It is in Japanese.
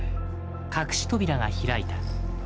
隠し扉が開いた。